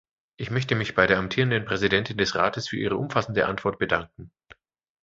Ich möchte mich bei der amtierenden Präsidentin des Rates für Ihre umfassende Antwort bedanken.